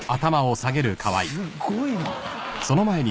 すっごいな。